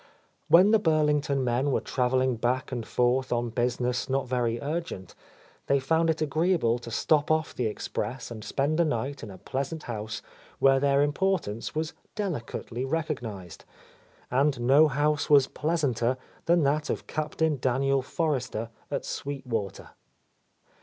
When the Burlington men were travelling back and forth on business not very urgent, they found it agreeable to drop off the express and spend a night in a pleasant house where their importance was delicately recognized; and no house was pleasanter than that of Captain Daniel Forrester, at Sweet Water.